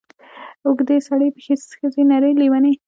اوږده ې سړې پښې ښځې نرې لېونې